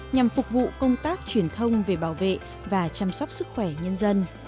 nhằm phục vụ công tác truyền thông về bảo vệ và chăm sóc sức khỏe nhân dân